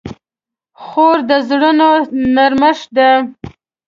خور د زړونو نرمښت ده.